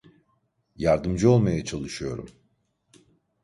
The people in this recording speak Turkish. Yardımcı olmaya çalışıyorum.